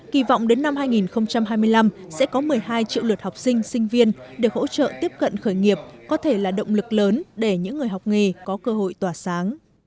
kỳ vọng đến năm hai nghìn hai mươi năm sẽ có một mươi hai triệu lượt học sinh sinh viên để hỗ trợ tiếp cận khởi nghiệp có thể là động lực lớn để những người học nghề có cơ hội tỏa sáng